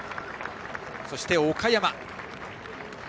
そして岡山。